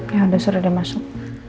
ya udah suruh dia masuk